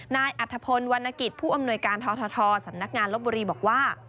อัธพลวรรณกิจผู้อำนวยการททสำนักงานลบบุรีบอกว่า